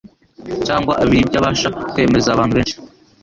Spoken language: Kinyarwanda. cyangwa abiri byabasha kwemeza abantu benshi